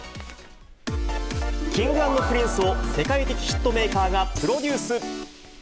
Ｋｉｎｇ＆Ｐｒｉｎｃｅを世界的ヒットメーカーがプロデュース。